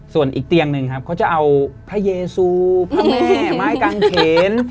ส่วนอีกเตียงหนึ่งครับเขาจะเอาพระเยซูพระแม่ไม้กางเขน